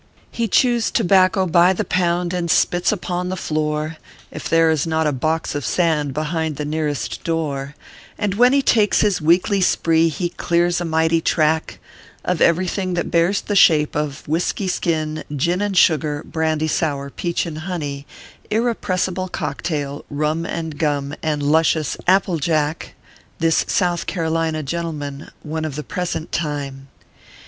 He chews tobacco by the pound, and spits upon the floor, If there is not a box of sand behind the nearest door ; And when he takes his weekly spree, he clears a mighty track Of everything that bears the shape of whisky skin, gin and sugar, brandy sour, peach and honey, irrepressible cocktail, rum and gum, and luscious apple jack This South Carolina gentleman, One of the present time.